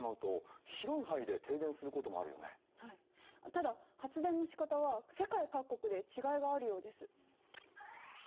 ただ発電のしかたは世界各国で違いがあるようです。